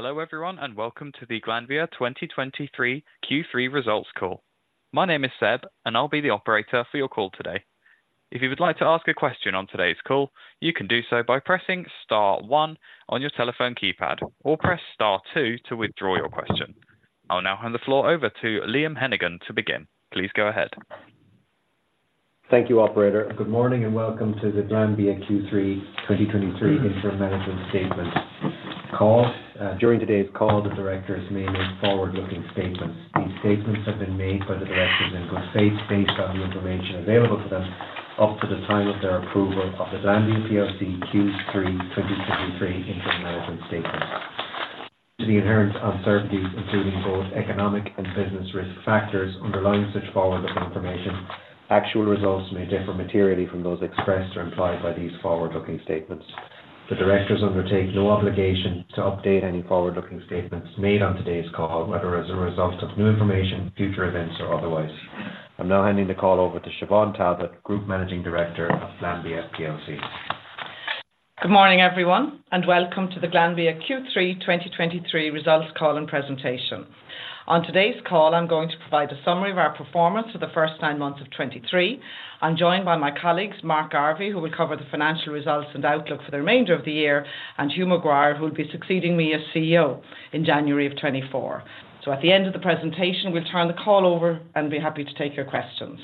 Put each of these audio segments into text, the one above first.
Hello, everyone, and welcome to the Glanbia 2023 Q3 results call. My name is Seb, and I'll be the operator for your call today. If you would like to ask a question on today's call, you can do so by pressing star one on your telephone keypad, or press star two to withdraw your question. I'll now hand the floor over to Liam Hennigan to begin. Please go ahead. Thank you, operator. Good morning, and welcome to the Glanbia Q3 2023 Interim Management Statement call. During today's call, the directors may make forward-looking statements. These statements have been made by the directors in good faith, based on the information available to them up to the time of their approval of the Glanbia PLC Q3 2023 Interim Management Statement. Due to the inherent uncertainties, including both economic and business risk factors underlying such forward-looking information, actual results may differ materially from those expressed or implied by these forward-looking statements. The directors undertake no obligation to update any forward-looking statements made on today's call, whether as a result of new information, future events, or otherwise. I'm now handing the call over to Siobhán Talbot, Group Managing Director of Glanbia PLC. Good morning, everyone, and welcome to the Glanbia Q3 2023 results call and presentation. On today's call, I'm going to provide a summary of our performance for the first nine months of 2023. I'm joined by my colleagues, Mark Garvey, who will cover the financial results and outlook for the remainder of the year, and Hugh McGuire, who will be succeeding me as CEO in January of 2024. So at the end of the presentation, we'll turn the call over and be happy to take your questions.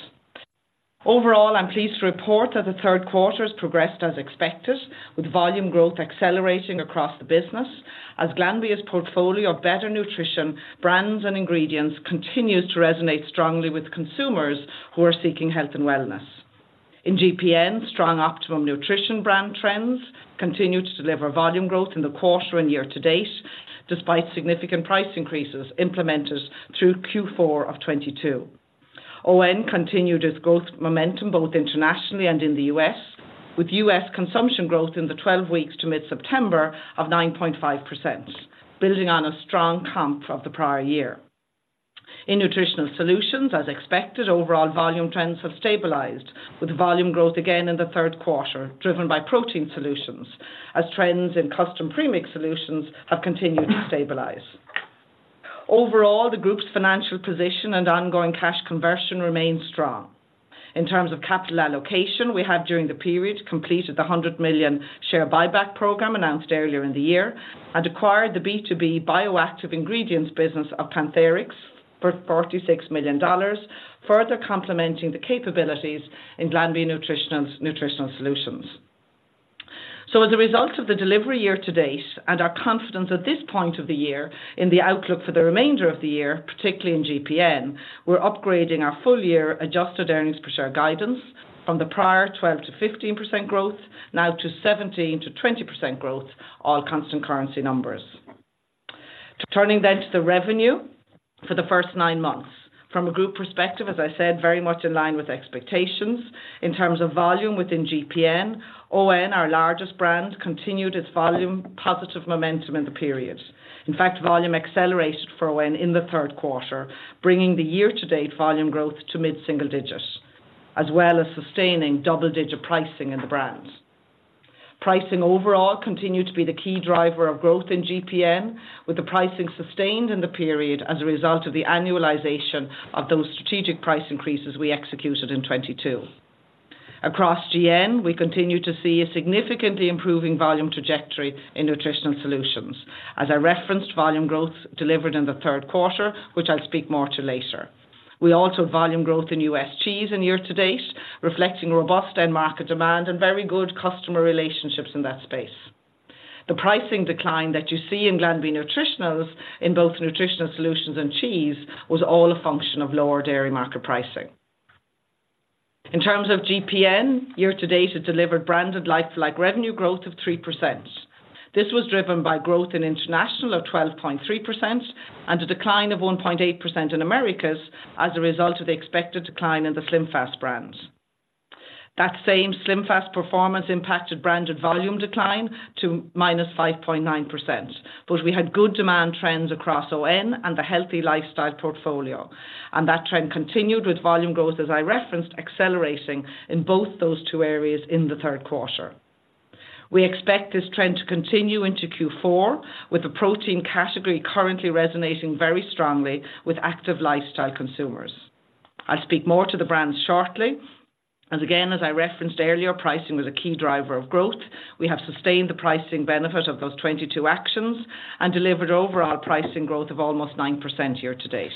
Overall, I'm pleased to report that the third quarter has progressed as expected, with volume growth accelerating across the business, as Glanbia's portfolio of better nutrition, brands, and ingredients continues to resonate strongly with consumers who are seeking health and wellness. In GPN, strong Optimum Nutrition brand trends continue to deliver volume growth in the quarter and year to date, despite significant price increases implemented through Q4 of 2022. ON continued its growth momentum, both internationally and in the U.S., with U.S. consumption growth in the 12 weeks to mid-September of 9.5%, building on a strong comp of the prior year. In Nutritional Solutions, as expected, overall volume trends have stabilized, with volume growth again in the third quarter, driven by Protein Solutions, as trends in custom premix solutions have continued to stabilize. Overall, the group's financial position and ongoing cash conversion remain strong. In terms of capital allocation, we have, during the period, completed the 100 million share buyback program announced earlier in the year and acquired the B2B Bioactive Ingredients business of PanTheryx for $46 million, further complementing the capabilities in Glanbia Nutritionals, Nutritional Solutions. So as a result of the delivery year to date, and our confidence at this point of the year in the outlook for the remainder of the year, particularly in GPN, we're upgrading our full-year adjusted earnings per share guidance from the prior 12%-15% growth, now to 17%-20% growth, all constant currency numbers. Turning then to the revenue for the first nine months. From a group perspective, as I said, very much in line with expectations. In terms of volume within GPN, ON, our largest brand, continued its volume positive momentum in the period. In fact, volume accelerated for ON in the third quarter, bringing the year-to-date volume growth to mid-single digits, as well as sustaining double-digit pricing in the brand. Pricing overall continued to be the key driver of growth in GPN, with the pricing sustained in the period as a result of the annualization of those strategic price increases we executed in 2022. Across GN, we continue to see a significantly improving volume trajectory in Nutritional Solutions. As I referenced, volume growth delivered in the third quarter, which I'll speak more to later. We also had volume growth in U.S. Cheese year-to-date, reflecting robust end market demand and very good customer relationships in that space. The pricing decline that you see in Glanbia Nutritionals, in both Nutritional Solutions and Cheese, was all a function of lower dairy market pricing. In terms of GPN, year to date has delivered branded lifestyle revenue growth of 3%. This was driven by growth in international of 12.3% and a decline of 1.8% in Americas as a result of the expected decline in the SlimFast brands. That same SlimFast performance impacted branded volume decline to -5.9%, but we had good demand trends across ON and the healthy lifestyle portfolio, and that trend continued with volume growth, as I referenced, accelerating in both those two areas in the third quarter. We expect this trend to continue into Q4, with the protein category currently resonating very strongly with active lifestyle consumers. I'll speak more to the brands shortly. Again, as I referenced earlier, pricing was a key driver of growth. We have sustained the pricing benefit of those 22 actions and delivered overall pricing growth of almost 9% year-to-date.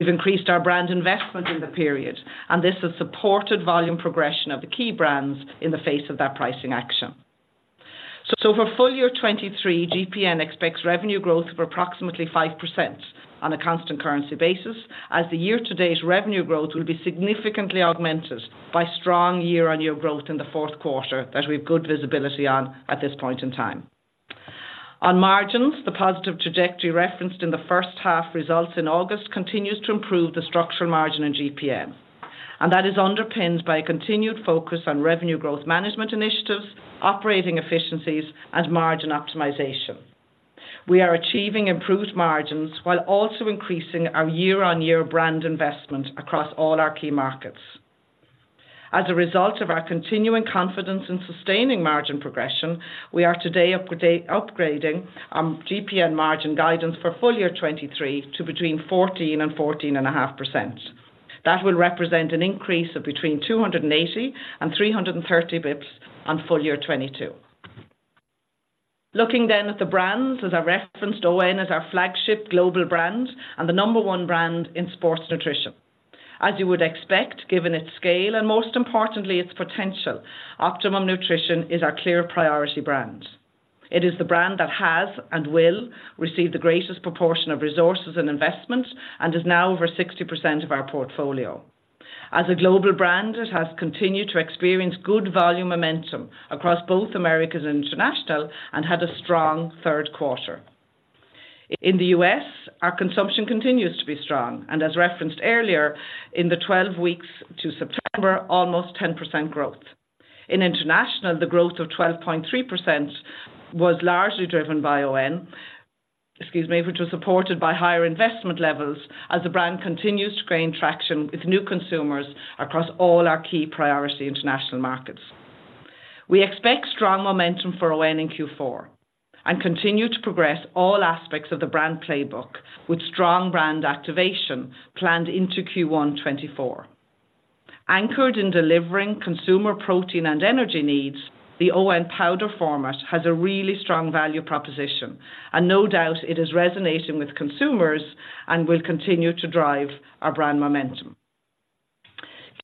We've increased our brand investment in the period, and this has supported volume progression of the key brands in the face of that pricing action. So for full year 2023, GPN expects revenue growth of approximately 5% on a constant currency basis, as the year-to-date's revenue growth will be significantly augmented by strong year-on-year growth in the fourth quarter, that we've good visibility on at this point in time. On margins, the positive trajectory referenced in the first half results in August continues to improve the structural margin in GPN, and that is underpinned by a continued focus on revenue growth management initiatives, operating efficiencies, and margin optimization. We are achieving improved margins while also increasing our year-on-year brand investment across all our key markets. As a result of our continuing confidence in sustaining margin progression, we are today upgrading our GPN margin guidance for full year 2023 to between 14% and 14.5%. That will represent an increase of between 280 and 330 BPS on full year 2022. Looking then at the brands, as I referenced, ON is our flagship global brand and the number one brand in sports nutrition. As you would expect, given its scale and most importantly, its potential, Optimum Nutrition is our clear priority brand. It is the brand that has and will receive the greatest proportion of resources and investment, and is now over 60% of our portfolio. As a global brand, it has continued to experience good volume momentum across both Americas and International, and hd a strong third quarter. In the U.S., our consumption continues to be strong, and as referenced earlier, in the 12 weeks to September, almost 10% growth. In international, the growth of 12.3% was largely driven by ON, excuse me, which was supported by higher investment levels as the brand continues to gain traction with new consumers across all our key priority international markets. We expect strong momentum for ON in Q4 and continue to progress all aspects of the brand playbook with strong brand activation planned into Q1 2024. Anchored in delivering consumer protein and energy needs, the ON powder format has a really strong value proposition, and no doubt it is resonating with consumers and will continue to drive our brand momentum.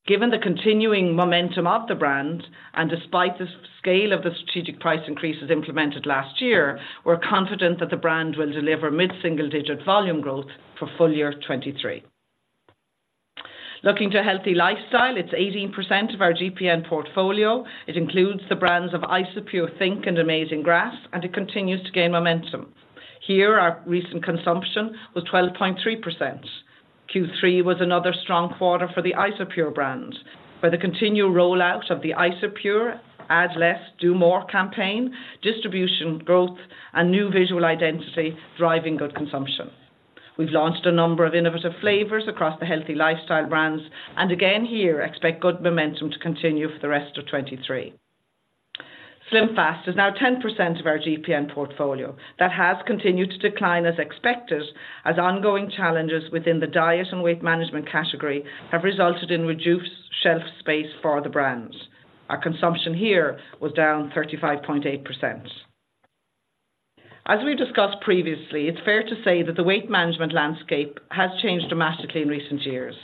Given the continuing momentum of the brand, and despite the scale of the strategic price increases implemented last year, we're confident that the brand will deliver mid-single-digit volume growth for full year 2023. Looking to healthy lifestyle, it's 18% of our GPN portfolio. It includes the brands of Isopure, think!, and Amazing Grass, and it continues to gain momentum. Here, our recent consumption was 12.3%. Q3 was another strong quarter for the Isopure brand, where the continual rollout of the Isopure Add Less, Do More campaign, distribution growth, and new visual identity, driving good consumption. We've launched a number of innovative flavors across the healthy lifestyle brands, and again here, expect good momentum to continue for the rest of 2023. SlimFast is now 10% of our GPN portfolio. That has continued to decline as expected, as ongoing challenges within the diet and weight management category have resulted in reduced shelf space for the brands. Our consumption here was down 35.8%. As we've discussed previously, it's fair to say that the weight management landscape has changed dramatically in recent years.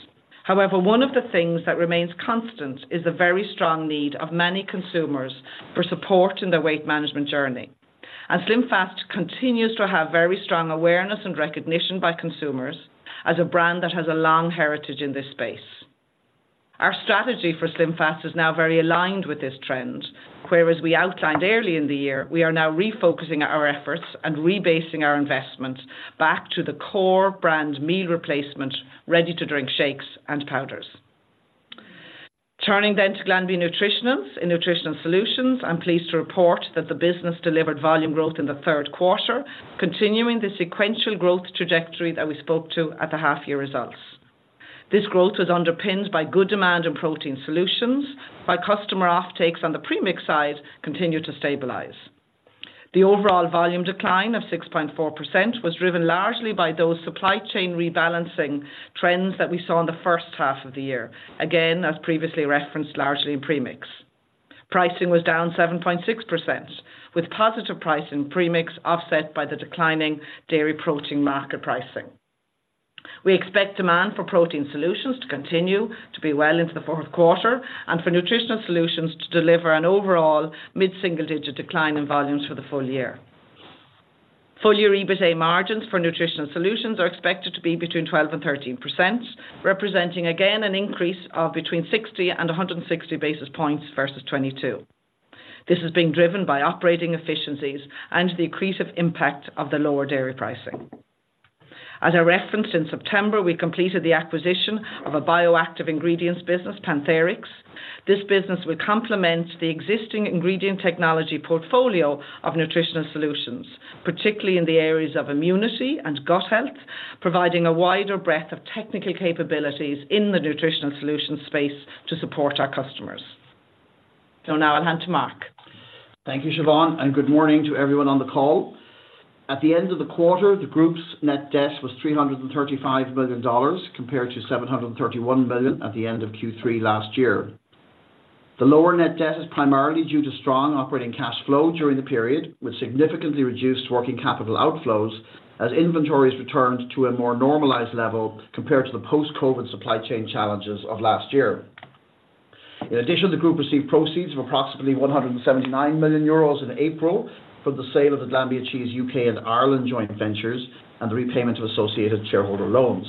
However, one of the things that remains constant is the very strong need of many consumers for support in their weight management journey. And SlimFast continues to have very strong awareness and recognition by consumers as a brand that has a long heritage in this space. Our strategy for SlimFast is now very aligned with this trend, whereas we outlined early in the year, we are now refocusing our efforts and rebasing our investments back to the core brand meal replacement, ready to drink shakes and powders. Turning then to Glanbia Nutritionals. In Nutritional Solutions, I'm pleased to report that the business delivered volume growth in the third quarter, continuing the sequential growth trajectory that we spoke to at the half-year results. This growth was underpinned by good demand in Protein Solutions, while customer offtakes on the Premix side continued to stabilize. The overall volume decline of 6.4% was driven largely by those supply chain rebalancing trends that we saw in the first half of the year. Again, as previously referenced, largely in Premix. Pricing was down 7.6%, with positive price in Premix offset by the declining dairy protein market pricing. We expect demand for Protein Solutions to continue to be well into the fourth quarter, and for Nutritional Solutions to deliver an overall mid-single-digit decline in volumes for the full year. Full-year EBITA margins for Nutritional Solutions are expected to be between 12%-13%, representing again an increase of between 60-160 basis points versus 2022. This is being driven by operating efficiencies and the accretive impact of the lower dairy pricing. As I referenced in September, we completed the acquisition of a bioactive ingredients business, PanTheryx. This business will complement the existing ingredient technology portfolio of Nutritional Solutions, particularly in the areas of immunity and gut health, providing a wider breadth of technical capabilities in the Nutritional Solutions space to support our customers. So now I'll hand to Mark. Thank you, Siobhán, and good morning to everyone on the call. At the end of the quarter, the group's net debt was $335 million, compared to $731 million at the end of Q3 last year. The lower net debt is primarily due to strong operating cash flow during the period, with significantly reduced working capital outflows, as inventories returned to a more normalized level compared to the post-COVID supply chain challenges of last year. In addition, the group received proceeds of approximately 179 million euros in April for the sale of the Glanbia Cheese U.K. and Ireland joint ventures and the repayment of associated shareholder loans.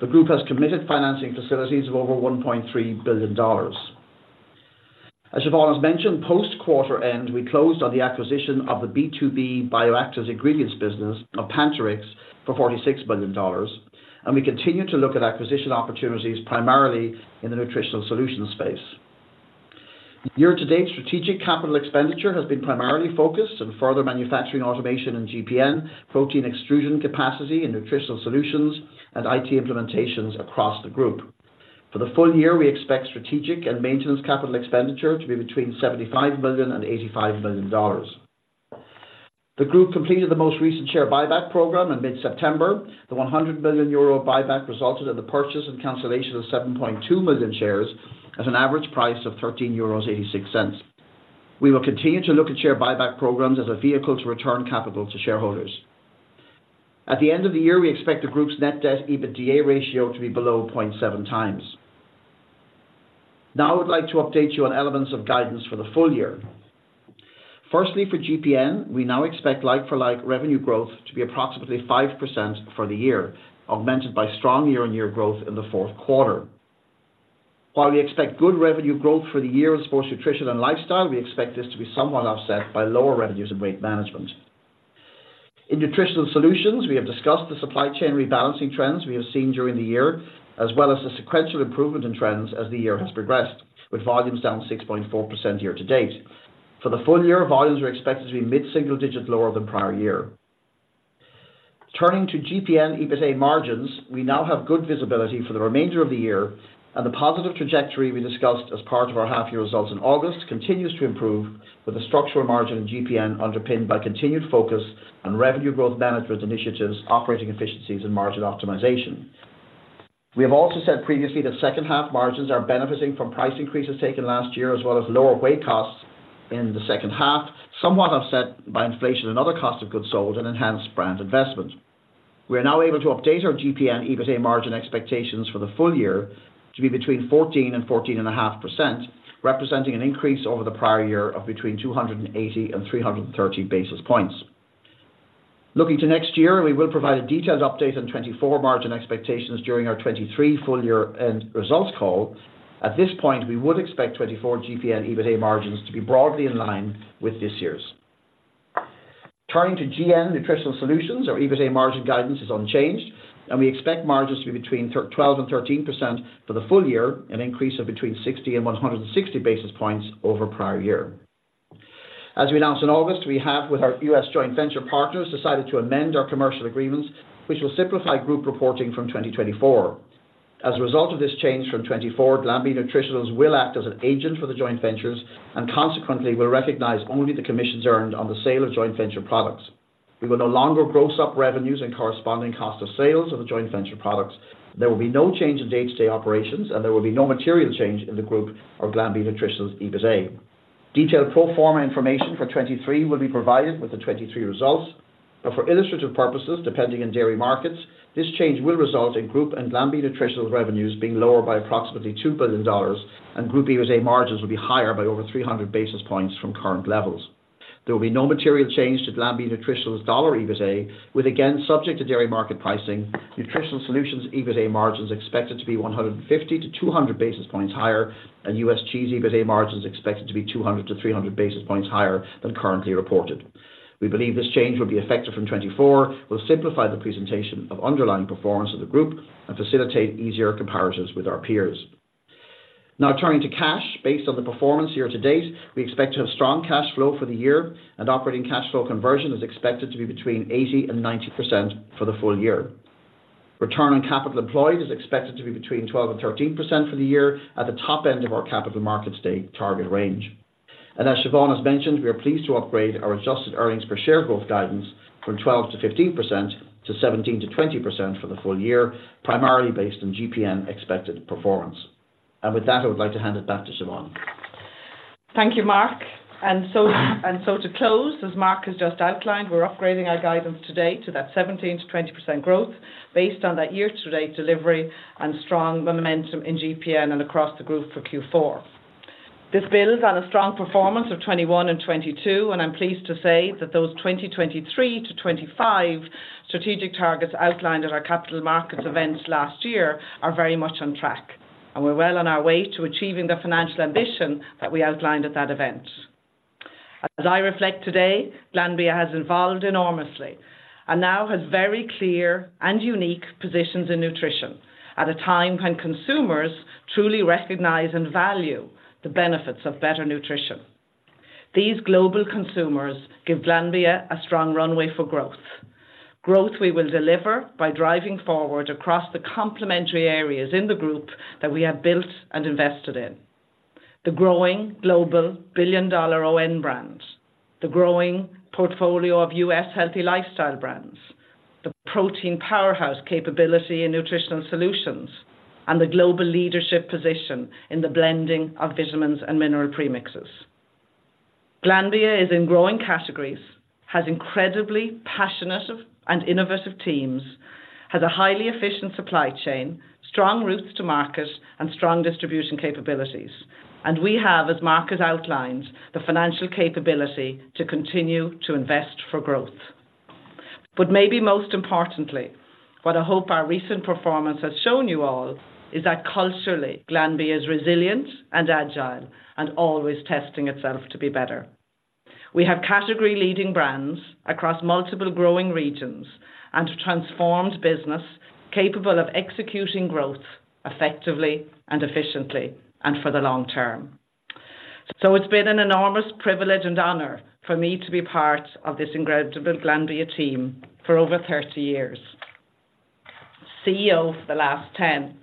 The group has committed financing facilities of over $1.3 billion. As Siobhán has mentioned, post-quarter end, we closed on the acquisition of the B2B Bioactives Ingredients business of PanTheryx for $46 million, and we continue to look at acquisition opportunities, primarily in the nutritional solutions space. Year-to-date strategic capital expenditure has been primarily focused on further manufacturing automation in GPN, protein extrusion capacity in Nutritional Solutions, and IT implementations across the group. For the full year, we expect strategic and maintenance capital expenditure to be between $75 million and $85 million. The group completed the most recent share buyback program in mid-September. The 100 million euro buyback resulted in the purchase and cancellation of 7.2 million shares at an average price of 13.86 euros. We will continue to look at share buyback programs as a vehicle to return capital to shareholders. At the end of the year, we expect the group's net debt/EBITDA ratio to be below 0.7x. Now, I would like to update you on elements of guidance for the full year. Firstly, for GPN, we now expect like-for-like revenue growth to be approximately 5% for the year, augmented by strong year-on-year growth in the fourth quarter. While we expect good revenue growth for the year in sports, nutrition, and lifestyle, we expect this to be somewhat offset by lower revenues in weight management. In Nutritional Solutions, we have discussed the supply chain rebalancing trends we have seen during the year, as well as the sequential improvement in trends as the year has progressed, with volumes down 6.4% year to date. For the full year, volumes are expected to be mid-single digit lower than prior year. Turning to GPN EBITA margins, we now have good visibility for the remainder of the year, and the positive trajectory we discussed as part of our half-year results in August continues to improve with a structural margin in GPN underpinned by continued focus on revenue growth management initiatives, operating efficiencies, and margin optimization. We have also said previously that second-half margins are benefiting from price increases taken last year, as well as lower whey costs in the second half, somewhat offset by inflation and other cost of goods sold and enhanced brand investment. We are now able to update our GPN EBITA margin expectations for the full year to be between 14% and 14.5%, representing an increase over the prior year of between 280 and 330 basis points. Looking to next year, we will provide a detailed update on 2024 margin expectations during our 2023 full year-end results call. At this point, we would expect 2024 GPN EBITA margins to be broadly in line with this year's. Turning to GN Nutritional Solutions, our EBITA margin guidance is unchanged, and we expect margins to be between 12 and 13% for the full year, an increase of between 60 and 160 basis points over prior year. As we announced in August, we have, with our U.S. joint venture partners, decided to amend our commercial agreements, which will simplify group reporting from 2024. As a result of this change from 2024, Glanbia Nutritionals will act as an agent for the joint ventures and consequently will recognize only the commissions earned on the sale of joint venture products. We will no longer gross up revenues and corresponding cost of sales of the joint venture products. There will be no change in day-to-day operations, and there will be no material change in the group or Glanbia Nutritionals' EBITA. Detailed pro forma information for 2023 will be provided with the 2023 results, but for illustrative purposes, depending on dairy markets, this change will result in group and Glanbia Nutritionals revenues being lower by approximately $2 billion, and group EBITA margins will be higher by over 300 basis points from current levels. There will be no material change to Glanbia Nutritionals' dollar EBITA, with again, subject to dairy market pricing, Nutritional Solutions' EBITA margins expected to be 150-200 basis points higher, and U.S. Cheese EBITA margins expected to be 200-300 basis points higher than currently reported. We believe this change will be effective from 2024, will simplify the presentation of underlying performance of the group, and facilitate easier comparisons with our peers. Now, turning to cash. Based on the performance year to date, we expect to have strong cash flow for the year, and operating cash flow conversion is expected to be between 80% and 90% for the full year. Return on capital employed is expected to be between 12% and 13% for the year, at the top end of our capital markets stated target range. And as Siobhán has mentioned, we are pleased to upgrade our adjusted earnings per share growth guidance from 12%-15% to 17%-20% for the full year, primarily based on GPN expected performance. And with that, I would like to hand it back to Siobhán. Thank you, Mark. So to close, as Mark has just outlined, we're upgrading our guidance today to that 17%-20% growth based on that year-to-date delivery and strong momentum in GPN and across the group for Q4. This builds on a strong performance of 2021 and 2022, and I'm pleased to say that those 2023-2025 strategic targets outlined at our capital markets event last year are very much on track, and we're well on our way to achieving the financial ambition that we outlined at that event. As I reflect today, Glanbia has evolved enormously and now has very clear and unique positions in nutrition at a time when consumers truly recognize and value the benefits of better nutrition. These global consumers give Glanbia a strong runway for growth. Growth we will deliver by driving forward across the complementary areas in the group that we have built and invested in. The growing global billion-dollar ON brands, the growing portfolio of U.S. healthy lifestyle brands, the protein powerhouse capability in Nutritional Solutions, and the global leadership position in the blending of vitamins and mineral premixes. Glanbia is in growing categories, has incredibly passionate and innovative teams, has a highly efficient supply chain, strong routes to market, and strong distribution capabilities. We have, as Mark has outlined, the financial capability to continue to invest for growth. Maybe most importantly, what I hope our recent performance has shown you all is that culturally, Glanbia is resilient and agile and always testing itself to be better. ... We have category-leading brands across multiple growing regions and a transformed business capable of executing growth effectively and efficiently and for the long term. So it's been an enormous privilege and honor for me to be part of this incredible Glanbia team for over 30 years. CEO for the last 10.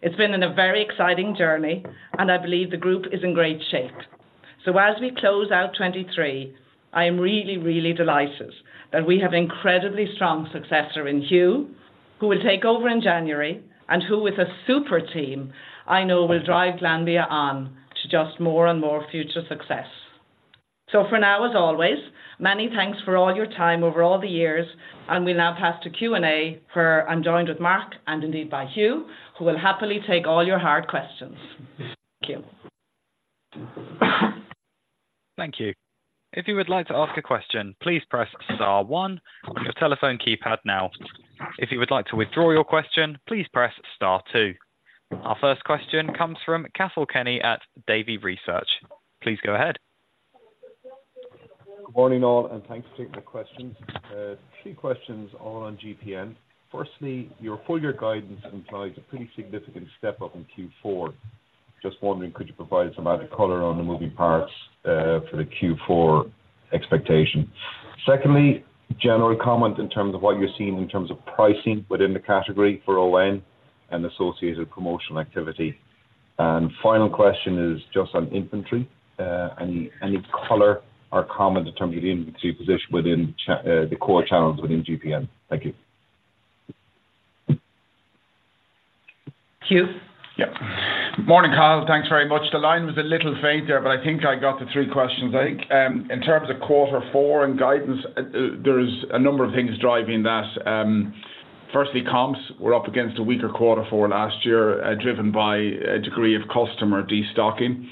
It's been a very exciting journey, and I believe the group is in great shape. So as we close out 2023, I am really, really delighted that we have incredibly strong successor in Hugh, who will take over in January, and who, with a super team, I know will drive Glanbia on to just more and more future success. So for now, as always, many thanks for all your time over all the years, and we now pass to Q&A, where I'm joined with Mark and indeed by Hugh, who will happily take all your hard questions. Thank you. Thank you. If you would like to ask a question, please press star one on your telephone keypad now. If you would like to withdraw your question, please press star two. Our first question comes from Cathal Kenny at Davy Research. Please go ahead. Good morning, all, and thanks for taking the questions. A few questions all on GPN. Firstly, your full year guidance implies a pretty significant step-up in Q4. Just wondering, could you provide some added color on the moving parts for the Q4 expectation? Secondly, general comment in terms of what you're seeing in terms of pricing within the category for ON and associated promotional activity. And final question is just on inventory. Any color or comment in terms of the inventory position within the core channels within GPN? Thank you. Hugh? Yeah. Morning, Cathal. Thanks very much. The line was a little faint there, but I think I got the three questions. I think, in terms of quarter four and guidance, there is a number of things driving that. Firstly, comps, we're up against a weaker quarter four last year, driven by a degree of customer destocking.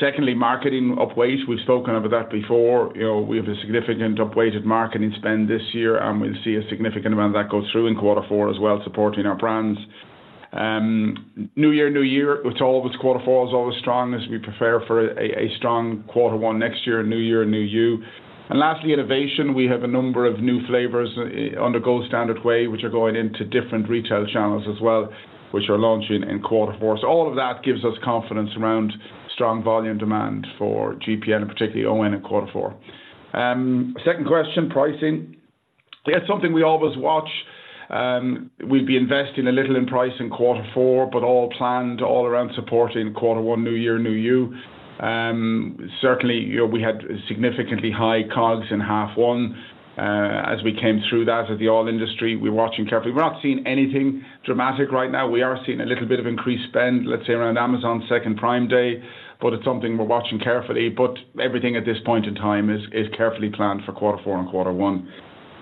Secondly, marketing upweight. We've spoken about that before. You know, we have a significant upweighted marketing spend this year, and we'll see a significant amount of that go through in quarter four as well, supporting our brands. New Year, New You, which always quarter four is always strong as we prepare for a strong quarter one next year, New Year, New You. And lastly, innovation. We have a number of new flavors on the Gold Standard Whey, which are going into different retail channels as well, which are launching in quarter four. So all of that gives us confidence around strong volume demand for GPN, and particularly ON in quarter four. Second question, pricing. Yeah, it's something we always watch. We'd be investing a little in price in quarter four, but all planned all around support in quarter one, New Year, New You. Certainly, you know, we had significantly high COGS in half one. As we came through that with the oil industry, we're watching carefully. We're not seeing anything dramatic right now. We are seeing a little bit of increased spend, let's say, around Amazon's second Prime Day, but it's something we're watching carefully. But everything at this point in time is carefully planned for quarter four and quarter one.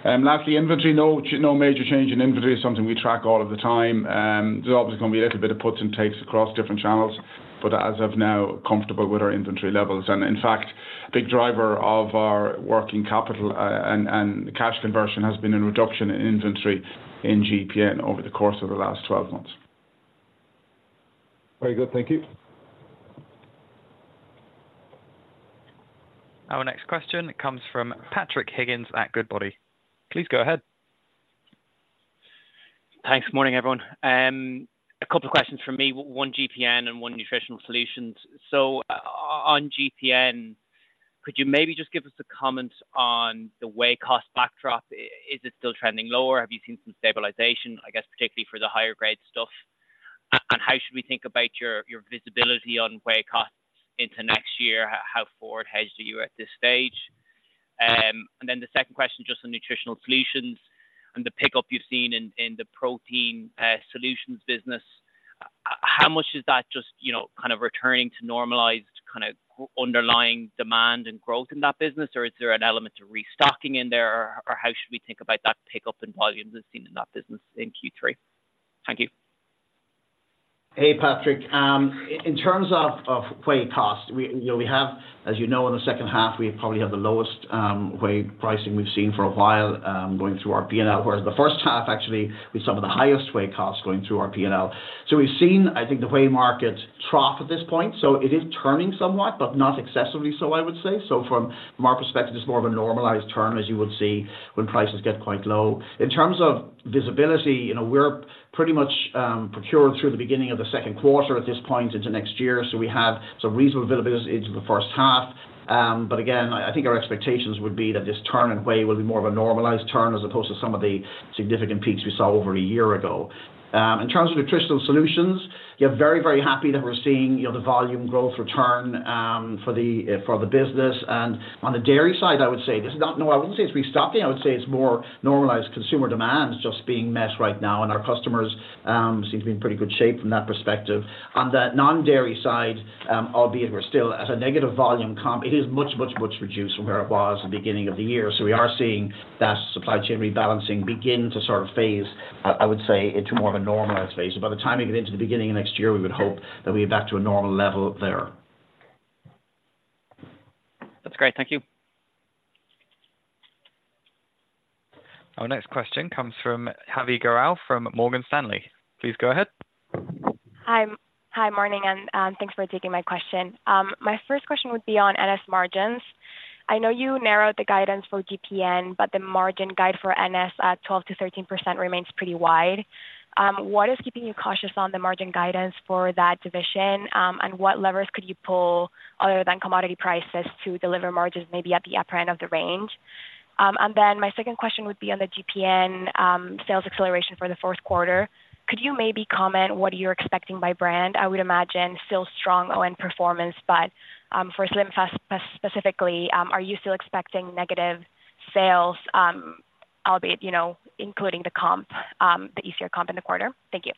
Lastly, inventory. No major change in inventory. It's something we track all of the time. There's obviously going to be a little bit of puts and takes across different channels, but as of now, comfortable with our inventory levels. And in fact, big driver of our working capital and cash conversion has been a reduction in inventory in GPN over the course of the last 12 months. Very good. Thank you. Our next question comes from Patrick Higgins at Goodbody. Please go ahead. Thanks. Morning, everyone. A couple of questions from me, one GPN and one Nutritional Solutions. So on GPN, could you maybe just give us a comment on the whey cost backdrop? Is it still trending lower? Have you seen some stabilization, I guess, particularly for the higher grade stuff? And how should we think about your visibility on whey costs into next year? How forward hedged are you at this stage? And then the second question, just on Nutritional Solutions and the pickup you've seen in the Protein Solutions business. How much is that just, you know, kind of returning to normalized, kind of underlying demand and growth in that business, or is there an element of restocking in there, or how should we think about that pickup in volumes as seen in that business in Q3? Thank you. Hey, Patrick. In terms of whey cost, we, you know, we have, as you know, in the second half, we probably have the lowest whey pricing we've seen for a while going through our PNL. Whereas the first half, actually, with some of the highest whey costs going through our PNL. So we've seen, I think, the whey market trough at this point, so it is turning somewhat, but not excessively so, I would say. So from our perspective, it's more of a normalized turn, as you would see when prices get quite low. In terms of visibility, you know, we're pretty much procured through the beginning of the second quarter at this point into next year, so we have some reasonable visibility into the first half. But again, I think our expectations would be that this turn in Whey will be more of a normalized turn, as opposed to some of the significant peaks we saw over a year ago. In terms of Nutritional Solutions, we're very, very happy that we're seeing, you know, the volume growth return, for the business. And on the dairy side, I would say this is not... No, I wouldn't say it's restocking. I would say it's more normalized consumer demand just being met right now, and our customers seem to be in pretty good shape from that perspective. On the non-dairy side, albeit we're still at a negative volume comp, it is much, much, much reduced from where it was at the beginning of the year. So we are seeing that supply chain rebalancing begin to sort of phase, I would say, into more of a normalized phase. So by the time we get into the beginning of next year, we would hope that we are back to a normal level there. That's great. Thank you.... Our next question comes from Pinar Ergun from Morgan Stanley. Please go ahead. Hi. Hi, morning, and, thanks for taking my question. My first question would be on NS margins. I know you narrowed the guidance for GPN, but the margin guide for NS at 12%-13% remains pretty wide. What is keeping you cautious on the margin guidance for that division? And what levers could you pull other than commodity prices, to deliver margins maybe at the upper end of the range? And then my second question would be on the GPN, sales acceleration for the fourth quarter. Could you maybe comment what you're expecting by brand? I would imagine still strong ON performance, but, for SlimFast specifically, are you still expecting negative sales, albeit, you know, including the comp, the easier comp in the quarter? Thank you.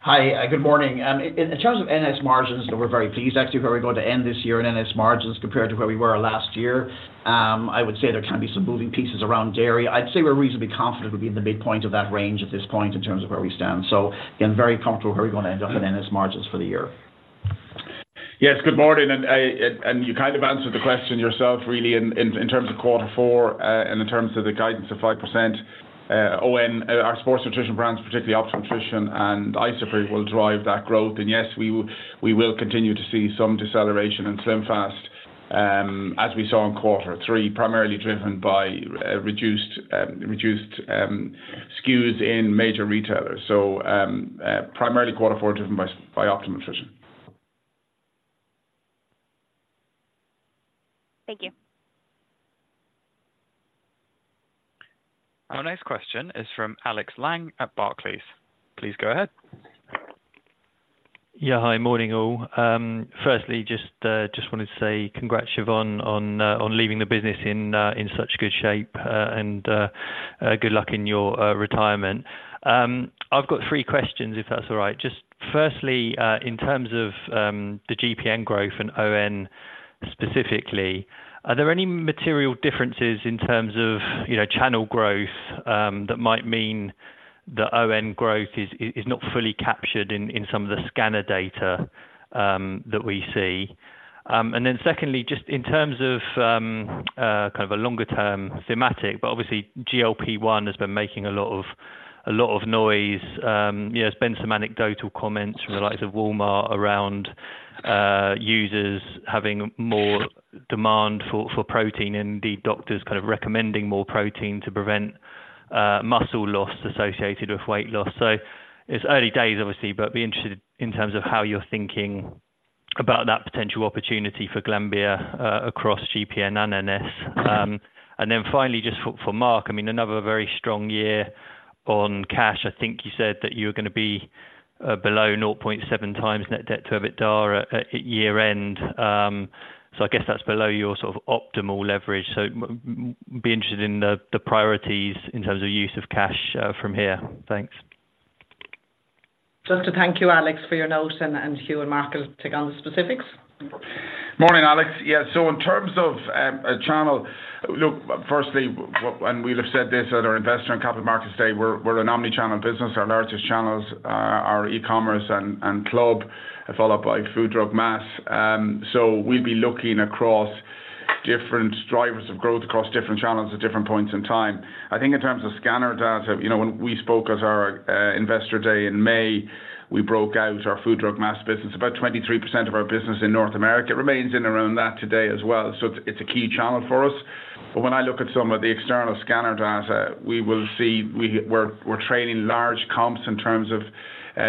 Hi, good morning. In terms of NS margins, we're very pleased actually, where we're going to end this year in NS margins compared to where we were last year. I would say there can be some moving pieces around dairy. I'd say we're reasonably confident we'll be in the midpoint of that range at this point, in terms of where we stand. So again, very comfortable where we're going to end up in NS margins for the year. Yes, good morning. And you kind of answered the question yourself, really, in terms of quarter four, and in terms of the guidance of 5%. ON, our sports nutrition brands, particularly Optimum Nutrition and Isopure, will drive that growth. And yes, we will continue to see some deceleration in SlimFast, as we saw in quarter three, primarily driven by reduced SKUs in major retailers. So, primarily quarter four, driven by Optimum Nutrition. Thank you. Our next question is from Alex Sheridan at Barclays. Please go ahead. Yeah, hi, morning, all. Firstly, just wanted to say congrats, Siobhán, on leaving the business in such good shape, and good luck in your retirement. I've got three questions, if that's all right. Just firstly, in terms of the GPN growth and ON specifically, are there any material differences in terms of, you know, channel growth, that might mean the ON growth is not fully captured in some of the scanner data that we see? And then secondly, just in terms of kind of a longer term thematic, but obviously GLP-1 has been making a lot of noise. You know, there's been some anecdotal comments from the likes of Walmart around, users having more demand for, for protein, and indeed, doctors kind of recommending more protein to prevent, muscle loss associated with weight loss. So it's early days, obviously, but be interested in terms of how you're thinking about that potential opportunity for Glanbia, across GPN and NS. And then finally, just for Mark, I mean, another very strong year on cash. I think you said that you were gonna be, below 0.7x net debt to EBITDA at year-end. So I guess that's below your sort of optimal leverage. So be interested in the priorities in terms of use of cash, from here. Thanks. Just to thank you, Alex, for your note, and Hugh and Mark will take on the specifics. Morning, Alex. Yeah, so in terms of channel... Look, firstly, and we'll have said this at our Investor and Capital Markets Day, we're an omni-channel business. Our largest channels are e-commerce and club, followed by food, drug, mass. So we'll be looking across different drivers of growth, across different channels at different points in time. I think in terms of scanner data, you know, when we spoke at our Investor Day in May, we broke out our food, drug, mass business. About 23% of our business in North America remains in and around that today as well, so it's a key channel for us. But when I look at some of the external scanner data, we will see, we're trading large comps in terms of,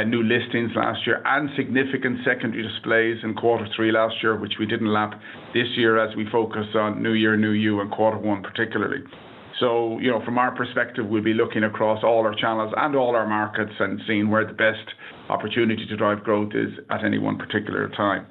new listings last year, and significant secondary displays in quarter three last year, which we didn't lap this year as we focused on New Year, New You, and quarter one particularly. So, you know, from our perspective, we'll be looking across all our channels and all our markets, and seeing where the best opportunity to drive growth is at any one particular time.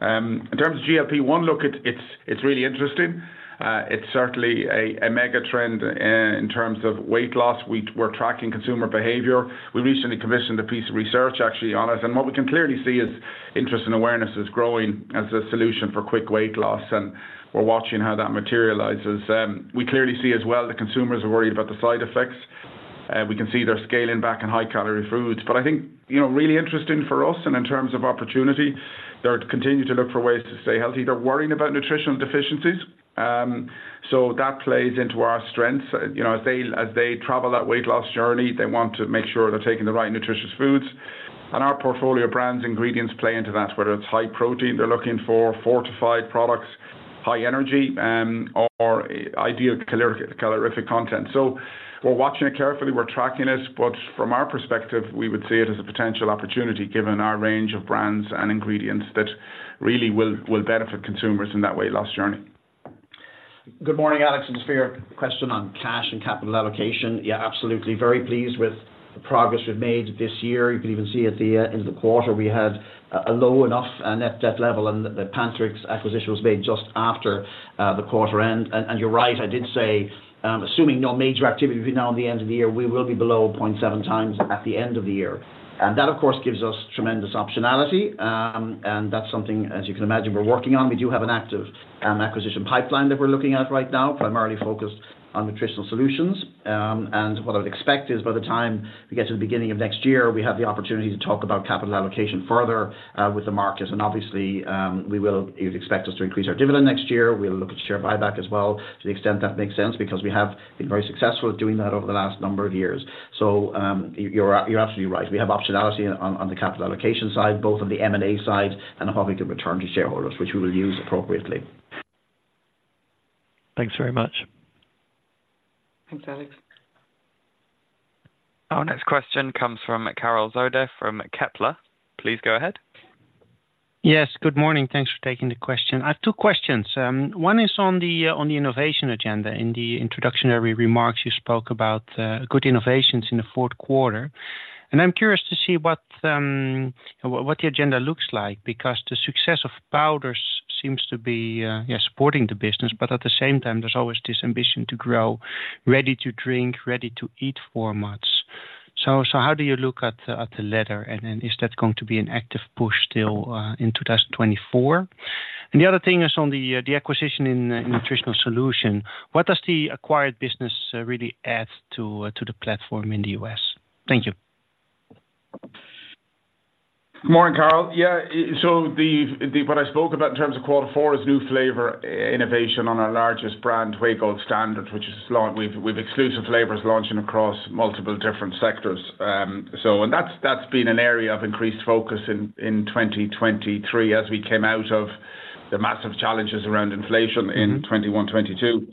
In terms of GLP-1, look, it's really interesting. It's certainly a mega trend in terms of weight loss. We're tracking consumer behavior. We recently commissioned a piece of research, actually, on it, and what we can clearly see is interest and awareness is growing as a solution for quick weight loss, and we're watching how that materializes. We clearly see as well, that consumers are worried about the side effects. We can see they're scaling back on high-calorie foods. But I think, you know, really interesting for us, and in terms of opportunity, they're continuing to look for ways to stay healthy. They're worrying about nutritional deficiencies, so that plays into our strengths. You know, as they travel that weight loss journey, they want to make sure they're taking the right nutritious foods. And our portfolio of brands and ingredients play into that, whether it's high protein, they're looking for fortified products, high energy, or ideal calorific content. We're watching it carefully, we're tracking it, but from our perspective, we would see it as a potential opportunity, given our range of brands and ingredients that really will benefit consumers in that weight loss journey. Good morning, Alex. Just for your question on cash and capital allocation, yeah, absolutely very pleased with the progress we've made this year. You can even see at the end of the quarter, we had a low enough net debt level, and the PanTheryx acquisition was made just after the quarter end. You're right, I did say, assuming no major activity between now and the end of the year, we will be below 0.7x at the end of the year. That, of course, gives us tremendous optionality, and that's something, as you can imagine, we're working on. We do have an active acquisition pipeline that we're looking at right now, primarily focused on Nutritional Solutions. What I would expect is by the time we get to the beginning of next year, we have the opportunity to talk about capital allocation further with the markets. And obviously, we will... You'd expect us to increase our dividend next year. We'll look at share buyback as well, to the extent that makes sense, because we have been very successful at doing that over the last number of years. So, you're absolutely right. We have optionality on the capital allocation side, both on the M&A side and hoping to return to shareholders, which we will use appropriately. Thanks very much. Thanks, Alex. Our next question comes from Karel Zoete from Kepler. Please go ahead. Yes, good morning. Thanks for taking the question. I have two questions. One is on the innovation agenda. In the introductory remarks, you spoke about good innovations in the fourth quarter, and I'm curious to see what the agenda looks like, because the success of powders seems to be supporting the business, but at the same time, there's always this ambition to grow ready to drink, ready to eat formats. So how do you look at the latter? And then is that going to be an active push still in 2024? And the other thing is on the acquisition in Nutritional Solutions. What does the acquired business really add to the platform in the U.S.? Thank you. Good morning, Karel. Yeah, so what I spoke about in terms of quarter four is new flavor innovation on our largest brand, Gold Standard Whey, which is launching with exclusive flavors launching across multiple different sectors. So that's been an area of increased focus in 2023, as we came out of the massive challenges around inflation in 2021, 2022.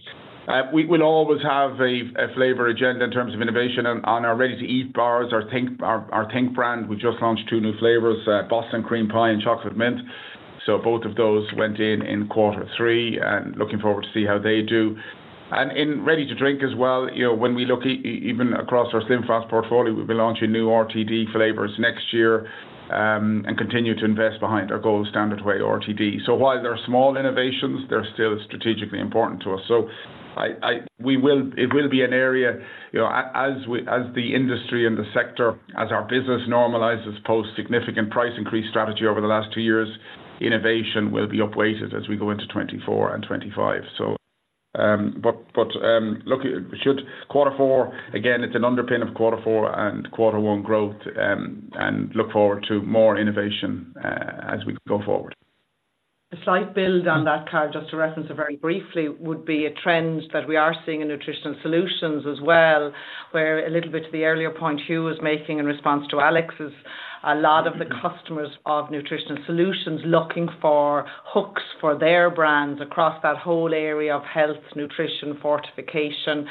We will always have a flavor agenda in terms of innovation on our ready-to-eat bars, our Think brand. We just launched two new flavors, Boston Cream Pie and Chocolate Mint. So both of those went in quarter three, and looking forward to see how they do. In ready-to-drink as well, you know, when we look even across our SlimFast portfolio, we'll be launching new RTD flavors next year, and continue to invest behind our Gold Standard Whey RTD. So while they're small innovations, they're still strategically important to us. So it will be an area, you know, as we, as the industry and the sector, as our business normalizes post significant price increase strategy over the last two years, innovation will be upweighted as we go into 2024 and 2025. So, but, look, it should quarter four, again, it's an underpin of quarter four and quarter one growth, and look forward to more innovation as we go forward. A slight build on that, Carol, just to reference it very briefly, would be a trend that we are seeing in Nutritional Solutions as well, where a little bit to the earlier point Hugh was making in response to Alex is a lot of the customers of Nutritional Solutions looking for hooks for their brands across that whole area of health, nutrition, fortification.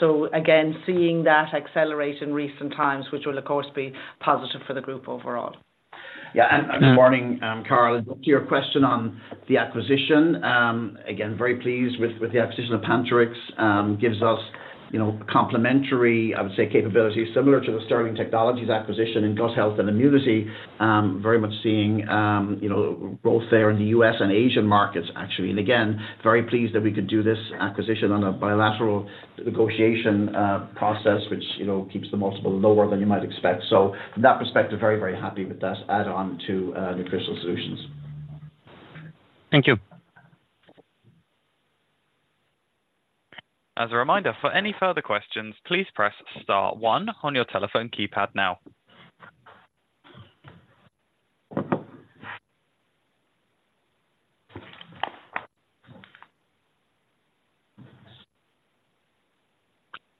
So again, seeing that accelerate in recent times, which will, of course, be positive for the group overall. Yeah, and good morning, Carol. To your question on the acquisition, again, very pleased with, with the acquisition of PanTheryx. Gives us, you know, complementary, I would say, capabilities, similar to the Sterling Technologies acquisition in gut health and immunity. Very much seeing, you know, growth there in the U.S. and Asian markets, actually. And again, very pleased that we could do this acquisition on a bilateral negotiation process, which, you know, keeps the multiple lower than you might expect. So from that perspective, very, very happy with that add-on to Nutritional Solutions. Thank you. As a reminder, for any further questions, please press star one on your telephone keypad now.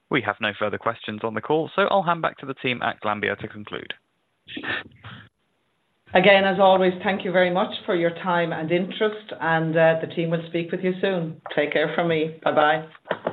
We have no further questions on the call, so I'll hand back to the team at Glanbia to conclude. Again, as always, thank you very much for your time and interest, and, the team will speak with you soon. Take care from me. Bye-bye.